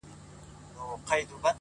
چي يوه لپه ښكلا يې راته راكړه؛